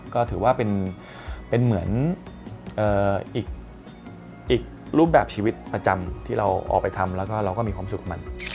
ก็ถือว่าเป็นเหมือนอีกรูปแบบชีวิตประจำที่เราออกไปทำแล้วก็เราก็มีความสุขกับมัน